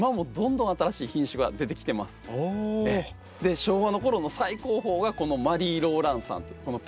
昭和の頃の最高峰がこのマリーローランサン。